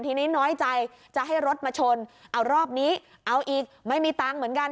ทีนี้น้อยใจจะให้รถมาชนเอารอบนี้เอาอีกไม่มีตังค์เหมือนกัน